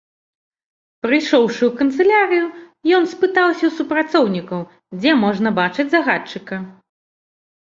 Прыйшоўшы ў канцылярыю, ён спытаўся ў супрацоўнікаў, дзе можна бачыць загадчыка.